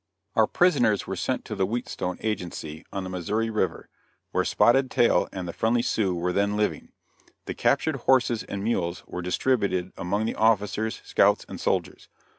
Our prisoners were sent to the Whetstone Agency, on the Missouri River, where Spotted Tail and the friendly Sioux were then living. The captured horses and mules were distributed among the officers, scouts and soldiers.